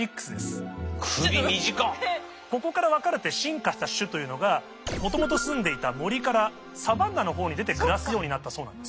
ここから分かれて進化した種というのがもともと住んでいた森からサバンナのほうに出て暮らすようになったそうなんです。